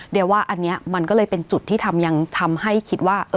เดี๋ยวว่าอันนี้มันก็เลยเป็นจุดที่ทำให้คิดว่า